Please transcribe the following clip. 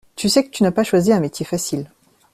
Tu sais que tu n’as pas choisi un métier facile.